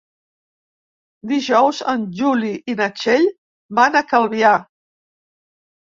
Dijous en Juli i na Txell van a Calvià.